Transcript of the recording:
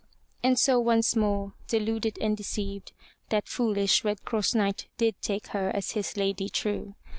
And so once more deluded and deceived, that foolish Red Cross Knight did take her as his lady true.